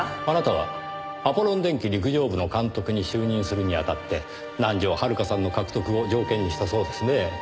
あなたはアポロン電機陸上部の監督に就任するにあたって南条遥さんの獲得を条件にしたそうですね。